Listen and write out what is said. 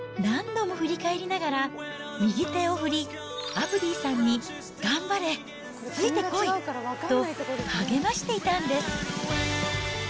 何度も振り返りながら、右手を振り、アブディさんに頑張れ、ついて来いと、励ましていたんです。